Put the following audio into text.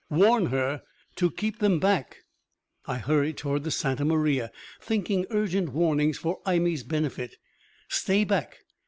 Warn her to keep them back!" I hurried toward the Santa Maria, thinking urgent warnings for Imee's benefit. "Stay back!